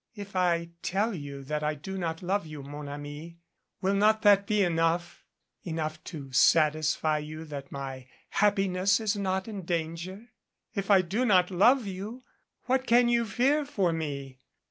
"If I tell you that I do not love you, mon ami, will not that be enough enough to satisfy you that my hap piness is not in danger? If I do not love you, what can you fear for me?